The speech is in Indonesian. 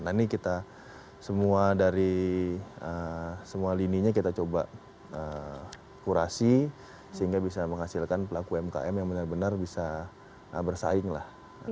nah ini kita semua dari semua lininya kita coba kurasi sehingga bisa menghasilkan pelaku umkm yang benar benar bisa bersaing lah